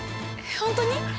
本当に！？